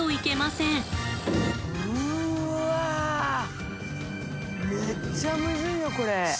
うわめっちゃむずいよこれ。